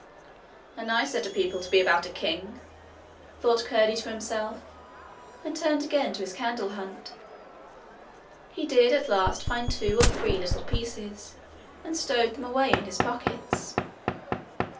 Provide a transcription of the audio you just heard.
'A nice set of people to be about a king!' thought Curdie to himself, and turned again to his candle hunt. He did at last find two or three little pieces, and stowed them away in his pockets.